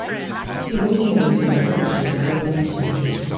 It was made by Yorkshire Television.